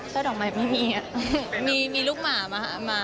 เจ้าดอกไม่มีมีลูกหมามาค่ะ